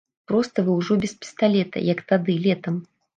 Проста вы ўжо без пісталета, як тады, летам.